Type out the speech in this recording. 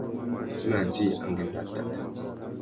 I mà djï angüêndô atát.